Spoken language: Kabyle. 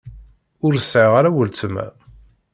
Ur sɛiɣ ara weltma.